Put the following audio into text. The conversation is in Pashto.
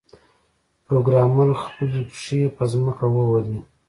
پروګرامر خپلې پښې په ځمکه ووهلې